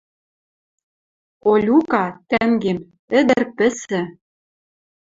Олюка — тӓнгем. Ӹдӹр пӹсӹ.